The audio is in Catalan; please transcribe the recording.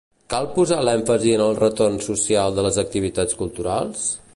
Cal posar l'èmfasi en el retorn social de les activitats culturals?